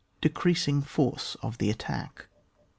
DECREASING FORCE OF THE ATTACK.